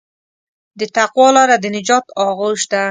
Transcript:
د تقوی لاره د نجات آغوش ده.